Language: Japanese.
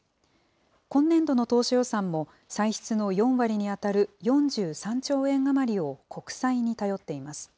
今年度の当初予算も、歳出の４割に当たる４３兆円余りを国債に頼っています。